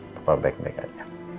papa baik baik aja